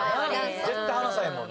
絶対離さへんもんな。